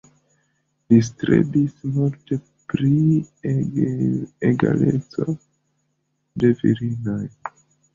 Li strebis multe pri egaleco de virinoj.